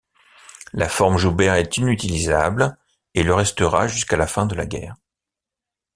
La forme Joubert est inutilisable et le restera jusqu'à la fin de la guerre.